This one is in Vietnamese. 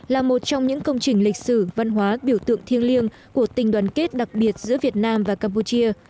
là một trong những công trình lịch sử văn hóa biểu tượng thiêng liêng của tình đoàn kết đặc biệt giữa việt nam và campuchia